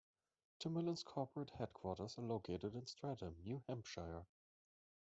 Timberland's corporate headquarters are located in Stratham, New Hampshire.